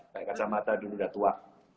kayak kacamata dulu udah tua